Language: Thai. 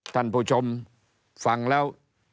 ท่านผู้ชมฟังแล้ว